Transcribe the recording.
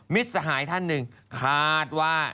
สหายท่านหนึ่งคาดว่า